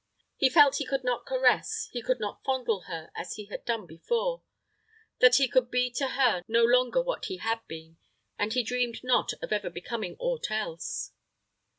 He felt he could not caress, he could not fondle her as he had done before that he could be to her no longer what he had been; and he dreamed not of ever becoming aught else.